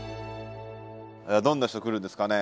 どんな人来るんですかね？